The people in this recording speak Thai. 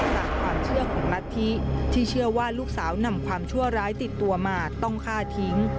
จากความเชื่อของรัฐธิที่เชื่อว่าลูกสาวนำความชั่วร้ายติดตัวมาต้องฆ่าทิ้ง